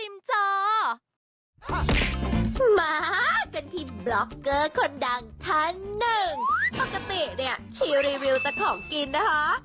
มากันที่บล็อกเกอร์คนดังท่านหนึ่งปกติเนี่ยชีรีวิวแต่ของกินนะคะ